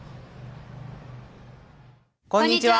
こんにちは。